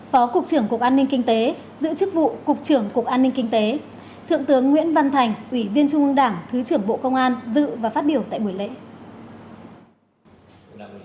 phó cục trưởng cục an ninh kinh tế giữ chức vụ cục trưởng cục an ninh kinh tế thượng tướng nguyễn văn thành ủy viên trung ương đảng thứ trưởng bộ công an dự và phát biểu tại buổi lễ